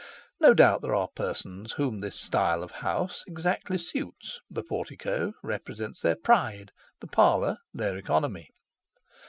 No doubt there are persons whom this style of house exactly suits, the portico represents their pride, the parlour their economy.